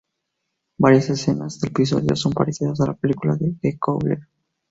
Varias escenas del episodio son parecidas a las de la película "The Cooler".